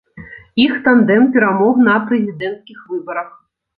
Іх тандэм перамог на прэзідэнцкіх выбарах.